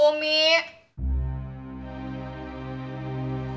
gimana baiknya deh